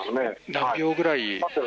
何秒ぐらい？